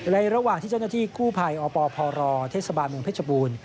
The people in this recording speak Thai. ระหว่างที่เจ้าหน้าที่กู้ภัยอปพรเทศบาลเมืองเพชรบูรณ์